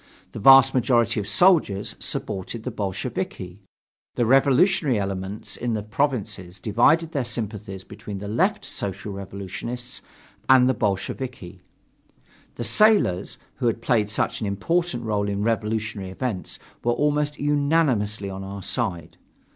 The vast majority of soldiers supported the Bolsheviki. The revolutionary element in the provinces divided their sympathies between the Left Social Revolutionists and the Bolsheviki. The sailors, who had played such an important role in revolutionary events, were almost unanimously on our side.